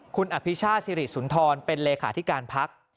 คุณอภิชาสิริสุนทรเป็นเลขาธิการพัก